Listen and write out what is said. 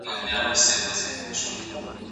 ما تر اوسه واده نه دی کړی.